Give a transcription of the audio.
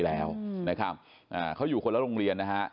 แล้วนะครับเขาอยู่คนละโรงเรียนนะฮะ